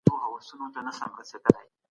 اسلام د فقر د ریښو د ایستلو لپاره غوره لاره ده.